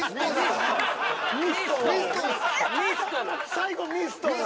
最後ミスト？